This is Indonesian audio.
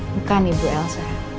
bukan ibu elsa